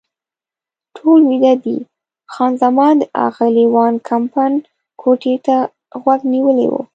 ټول ویده دي، خان زمان د اغلې وان کمپن کوټې ته غوږ نیولی و.